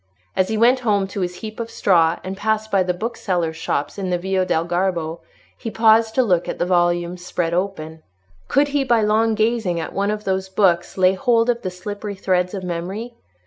As he went home to his heap of straw, and passed by the booksellers' shops in the Via del Garbo, he paused to look at the volumes spread open. Could he by long gazing at one of those books lay hold of the slippery threads of memory?